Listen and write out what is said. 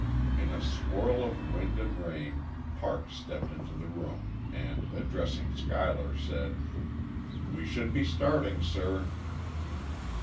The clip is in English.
In a swirl of wind and rain, Parks stepped into the room, and addressing Schuyler, said: "We should be starting, sir."